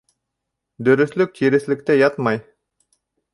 Дөрөҫлөк тиреҫлектә ятмай.